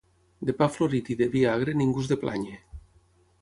De pa florit i de vi agre ningú és de plànyer.